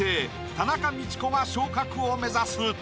田中道子が昇格を目指す。